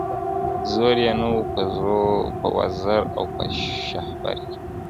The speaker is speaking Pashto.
زور یې نه و په وزر او په شهپر کي